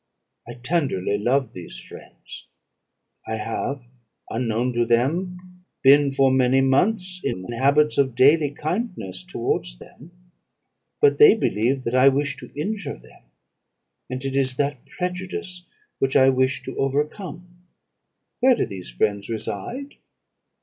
I tenderly love these friends; I have, unknown to them, been for many months in the habits of daily kindness towards them; but they believe that I wish to injure them, and it is that prejudice which I wish to overcome.' "'Where do these friends reside?'